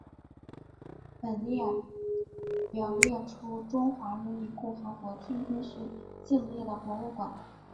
本列表列出中华人民共和国天津市境内的博物馆。